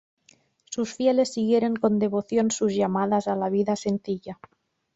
Sus fieles siguieron con devoción sus llamadas a la vida sencilla.